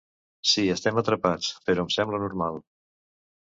Sí, estem atrapats, però em sembla normal.